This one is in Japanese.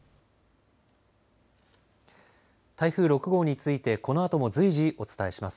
台風６号についてこのあとも随時、お伝えします。